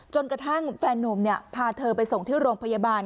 จนกระทั่งแฟนนุ่มพาเธอไปส่งที่โรงพยาบาล